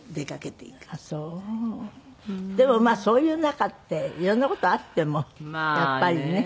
でもそういう仲って色んな事があってもやっぱりね。